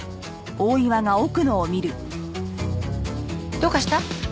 どうかした？